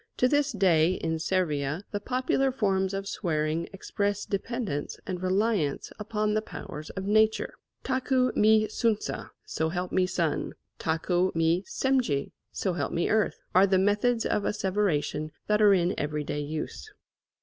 To this day in Servia the popular forms of swearing express dependence and reliance upon the powers of nature. Taku mi Suntza, So help me sun; Taku mi Semlje, So help me earth, are the methods of asseveration that are in every day use.